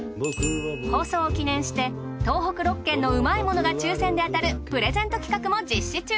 放送を記念して東北６県のうまいものが抽選で当たるプレゼント企画も実施中！